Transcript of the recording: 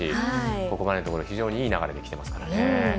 ここまでのところ非常にいい流れできてますからね。